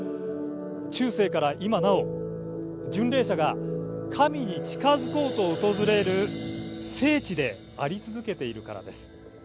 中世から今なお、巡礼者が神に近づこうと訪れる聖地であり続けているからです。